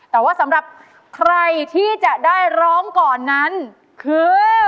แต่ว่าสำหรับใครที่จะได้ร้องก่อนนั้นคือ